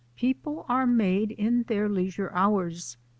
People are made in their leisure hours.